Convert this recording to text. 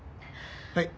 はい。